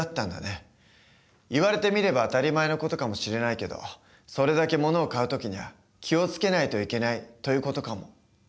言われてみれば当たり前の事かもしれないけどそれだけものを買う時には気を付けないといけないという事かも。